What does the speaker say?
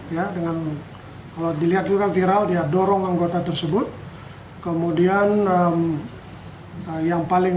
ya dengan kalau dilihat juga viral dia dorong anggota tersebut kemudian yang paling